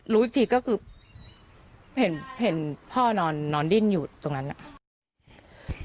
รู้อีกทีก็คือเห็นพ่อนอนดิ้นอยู่ตรงนั้นน่ะ